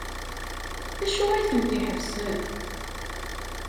D acu ay tent-iḥebsen?